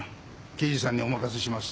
刑事さんにお任せします。